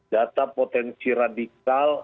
data potensi radikal